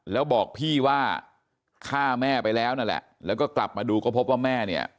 แล้วบอกพี่ว่าฆ่าแม่ไปแล้วนั่นแหละแล้วก็กลับมาดูก็พบว่าแม่เนี่ย